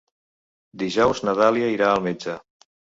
Dijous na Dàlia irà al metge.